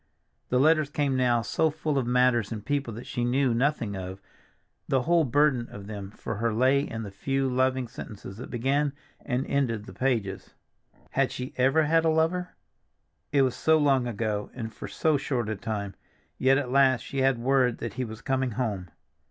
The letters came now so full of matters and people that she knew nothing of; the whole burden of them for her lay in the few loving sentences that began and ended the pages. Had she ever had a lover? It was so long ago, and for so short a time! Yet at last she had word that he was coming home.